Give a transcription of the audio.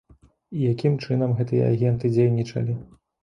І якім чынам гэтыя агенты дзейнічалі?